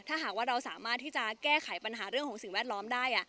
ถ้าหากว่าเราสามารถที่จะแก้ไขปัญหาเรื่องของสิ่งแวดล้อมได้